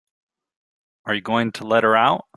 Are you going to let her out?